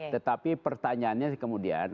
tetapi pertanyaannya kemudian